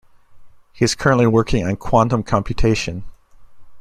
He is currently working on quantum computation.